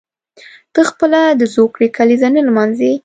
ته خپله د زوکړې کلیزه نه لمانځي.